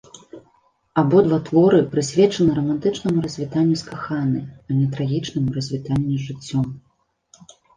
Абодва творы прысвечаны рамантычнаму развітанню з каханай, а не трагічнаму развітанню з жыццём.